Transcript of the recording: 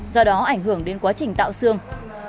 do đó ảnh hưởng đến quá trình tạo xương